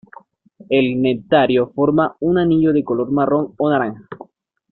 El nectario forma un anillo de color marrón o naranja.